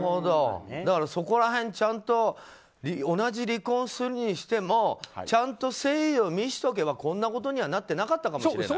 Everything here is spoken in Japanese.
そこら辺、ちゃんと同じ離婚するにしてもちゃんと誠意を見せておけばこんなことにはなってなかったかもしれない？